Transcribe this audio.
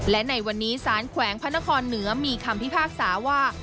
และในวันนี้สารแขวงพระนครเหนือมีคำพิพากษาว่า